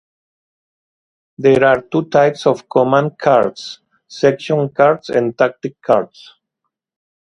There are two types of command cards: Section cards and Tactic cards.